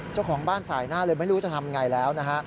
เจ้าของบ้านสายหน้าเลยไม่รู้จะทำไงแล้วนะฮะ